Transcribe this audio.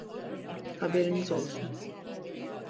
Haberiniz olsun.